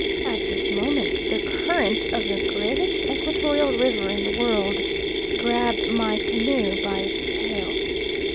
At this moment, the current of "the greatest equatorial river in the world," grabbed my canoe by its tail.